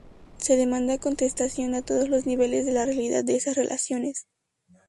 Se demanda contestación a todos los niveles de la realidad de esas relaciones.